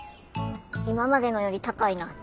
今までのより高いな。